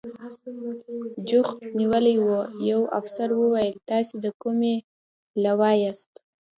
جوخت نیولي و، یوه افسر وویل: تاسې د کومې لوا یاست؟